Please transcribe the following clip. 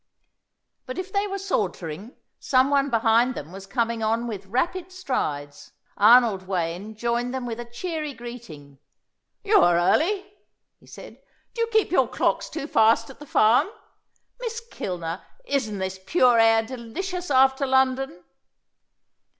But if they were sauntering, some one behind them was coming on with rapid strides. Arnold Wayne joined them with a cheery greeting. "You are early," he said. "Do you keep your clocks too fast at the Farm? Miss Kilner, isn't this pure air delicious after London?"